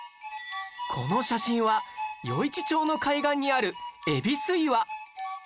この写真は余市町の海岸にあるえびす岩